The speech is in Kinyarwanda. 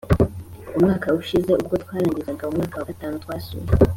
Umwaka ushize ubwo twarangizaga umwaka wa gatanu, twasuye